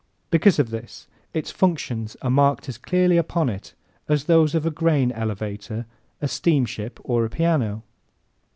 Because of this its functions are marked as clearly upon it as those of a grain elevator, a steamship or a piano.